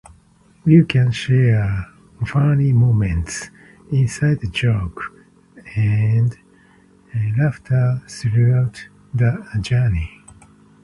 You can share funny moments, inside jokes, and laughter throughout the journey.